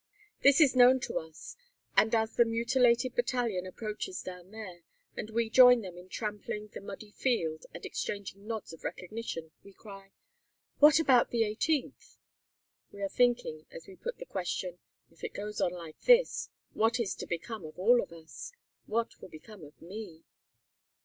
This is known to us, and as the mutilated battalion approaches down there, and we join them in trampling the muddy field and exchanging nods of recognition, we cry, "What about the 18th?" We are thinking as we put the question, "If it goes on like this, what is to become of all of us? What will become of me?"